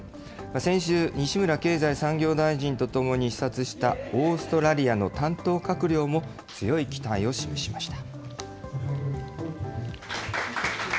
先週、西村経済産業大臣とともに視察したオーストラリアの担当閣僚も、強い期待を示しました。